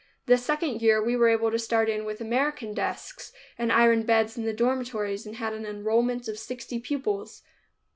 The second year we were able to start in with American desks, and iron beds in the dormitories, and had an enrollment of sixty pupils.